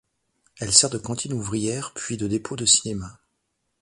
Elle sert de cantine ouvrière, puis de dépôt de cinéma.